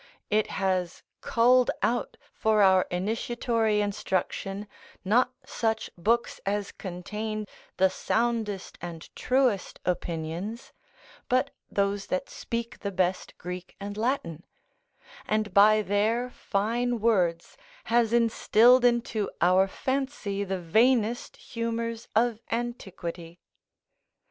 It has culled out for our initiatory instruction not such books as contain the soundest and truest opinions, but those that speak the best Greek and Latin, and by their fine words has instilled into our fancy the vainest humours of antiquity.